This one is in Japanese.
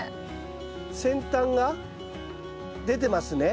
先端が出てますね。